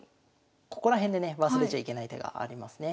ここら辺でね忘れちゃいけない手がありますね。